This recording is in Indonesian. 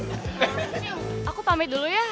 aku pamit dulu ya